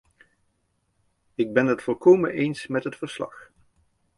Ik ben het volkomen eens met het verslag.